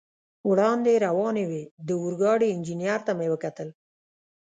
وړاندې روانې وې، د اورګاډي انجنیر ته مې وکتل.